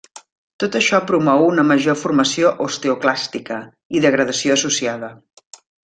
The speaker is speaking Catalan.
Tot això promou una major formació osteoclàstica i degradació associada.